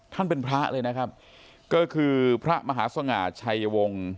ท่านเป็นพระเลยนะครับก็คือพระมหาสง่าชัยวงศ์